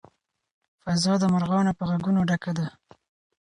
فضا د مرغانو په غږونو ډکه ده.